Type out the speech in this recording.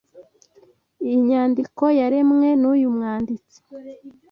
Iyi nyandiko yaremwe nuyu mwanditsi